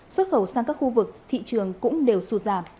xuất khẩu sang các khu vực thị trường cũng đều sụt giảm